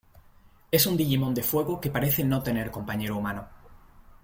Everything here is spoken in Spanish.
Es un Digimon de fuego que parece no tener compañero humano.